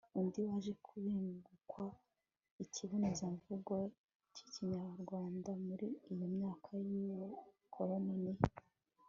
undi waje kubengukwa ikibonezamvugo k'ikinyarwanda muri iyo myaka y'ubukoroni ni